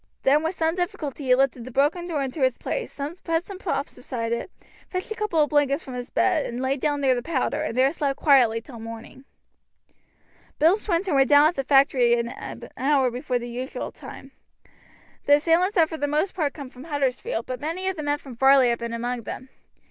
Then with some difficulty he lifted the broken door into its place, put some props behind it, fetched a couple of blankets from his bed, and lay down near the powder, and there slept quietly till morning. Luke and Bill Swinton were down at the factory an hour before the usual time. The assailants had for the most part come over from Huddersfield, but many of the men from Varley had been among them.